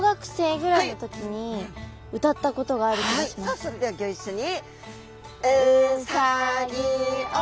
さあそれではギョ一緒に。